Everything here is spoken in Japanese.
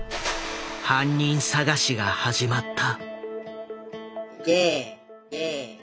犯人捜しが始まった。